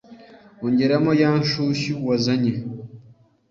Ongeramo ya nshushyu wazanye